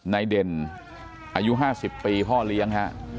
แน่เด่นอายุ๕๐ปีพ่อเลี้ยง